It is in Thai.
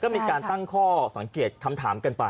ก็มีการตั้งข้อสังเกตคำถามกันไป